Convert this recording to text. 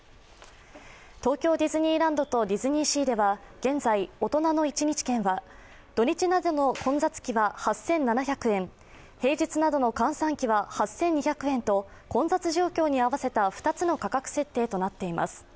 東京ディズニーランドとディズニーシーでは現在、大人の１日券は土日などの混雑期は８７００円平日などの閑散期は８２００円と、混雑状況に合わせた２つの価格設定となっています。